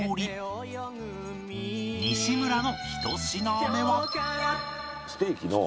西村の１品目は